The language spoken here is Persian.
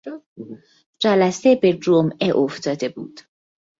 جلسه به جمعه افتاده بود.